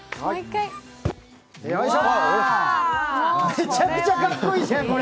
めちゃくちゃかっこいいですね、これ。